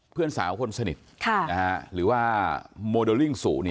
เพื่อนสาวคนสนิทหรือว่าโมเดลลิ่งสุ